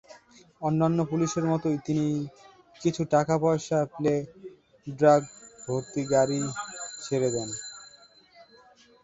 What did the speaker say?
অন্যান্য পুলিশের মতই তিনিও কিছু টাকা পয়সা পেলে ড্রাগ ভর্তি গাড়ি ছেড়ে দেন।